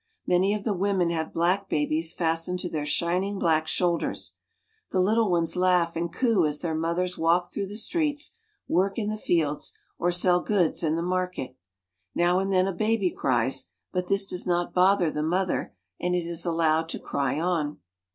Many of the women have black babies fastened to their shining black shoul ders. The little ones laugh and coo as their mothers walk through the streets, work in the fields, or sell goods in the market. Now and then a baby cries, but this does not bother the mother, and it is allowed to cry on.